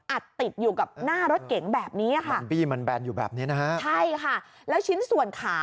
อัดติดอยู่กับหน้ารถเก๋งแบบนี้ค่ะ